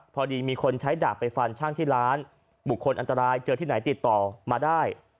พอดีมีคนใช้ดาบไปฟันช่างที่ร้านบุคคลอันตรายเจอที่ไหนติดต่อมาได้